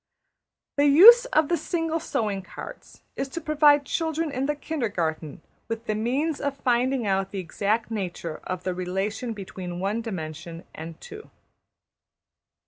The use of the single sewing cards is to provide children in the kindergarten with the means of finding out the exact nature of the relation between one dimension and two.